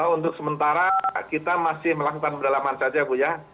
untuk sementara kita masih melakukan pendalaman saja bu ya